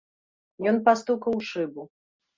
Ён пастукаў у шыбу.